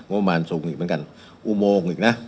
ประมาณสูงอีกเหมือนกันอุโมงอีกนะ